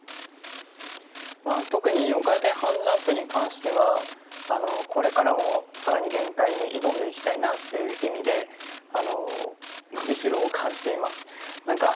特に４回転半ジャンプに関してはこれからも、さらに限界に挑んでいきたいなという意味で伸びしろを感じています。